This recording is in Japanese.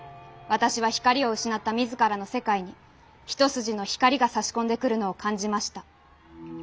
「私は光を失った自らの世界に一筋の光が差し込んでくるのを感じました」。